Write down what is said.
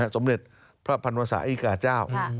สมเด็จพระพันวศาอีกาเจ้า